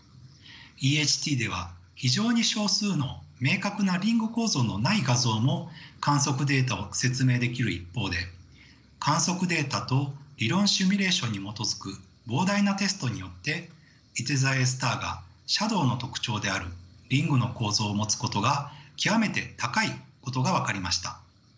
ＥＨＴでは非常に少数の明確なリング構造のない画像も観測データを説明できる一方で観測データと理論シミュレーションに基づく膨大なテストによっていて座Ａスターがシャドウの特徴であるリングの構造を持つことが極めて高いことが分かりました。